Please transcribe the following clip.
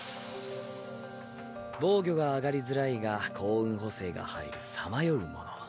防御が上がりづらいが幸運補正が入る「彷徨うもの」。